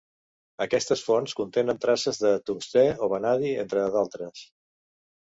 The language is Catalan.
Aquestes fonts contenen traces de tungstè o vanadi entre d'altres.